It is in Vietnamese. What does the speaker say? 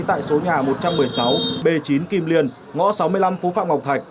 tại số nhà một trăm một mươi sáu b chín kim liên ngõ sáu mươi năm phú phạm ngọc thạch